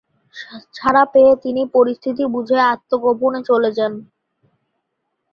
ছাড়া পেয়ে তিনি পরিস্থিতি বুঝে আত্মগোপনে চলে যান।